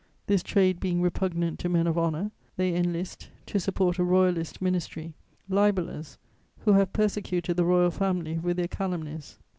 This trade being repugnant to men of honour, they enlist, to support a Royalist ministry, libellers who have persecuted the Royal Family with their calumnies.